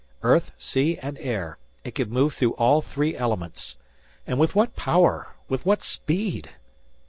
Earth, sea and air,—it could move through all three elements! And with what power! With what speed!